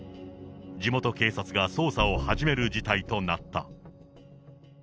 地元警察が捜査を始める事態となった。